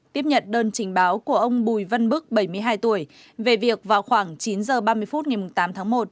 tiếp nhận đơn trình báo của ông bùi văn bức bảy mươi hai tuổi về việc vào khoảng chín h ba mươi phút ngày tám tháng một